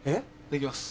できます。